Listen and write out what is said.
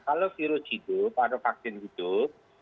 kalau virus hidup atau vaksin hidup